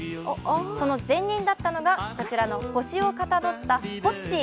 その前任だったのが、こちらの星をかたどったホッシー。